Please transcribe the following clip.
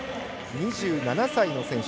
２７歳の選手。